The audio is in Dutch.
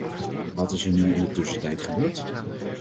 Wat is er nu in de tussentijd gebeurd?